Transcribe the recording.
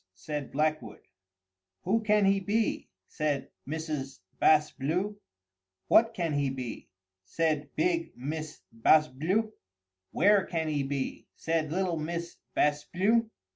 said Blackwood. "Who can he be?" said Mrs. Bas Bleu. "What can he be?" said big Miss Bas Bleu. "Where can he be?" said little Miss Bas Bleu.